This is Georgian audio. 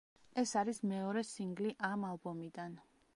ეს არის მეორე სინგლი ამ ალბომიდან.